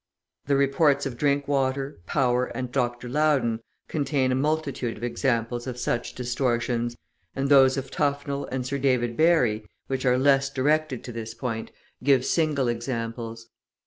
The reports of Drinkwater, Power, and Dr. Loudon contain a multitude of examples of such distortions, and those of Tufnell and Sir David Barry, which are less directed to this point, give single examples.